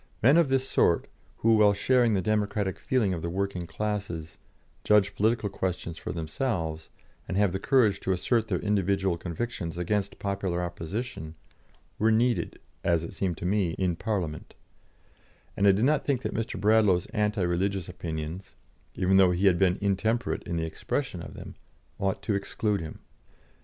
Men of this sort, who, while sharing the democratic feeling of the working classes, judge political questions for themselves, and have the courage to assert their individual convictions against popular opposition, were needed, as it seemed to me, in Parliament; and I did not think that Mr. Bradlaugh's anti religious opinions (even though he had been intemperate in the expression of them) ought to exclude him."